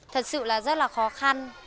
thật sự là rất là khó khăn